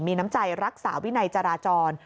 มีน้ำใจรักษาวินัยจราจร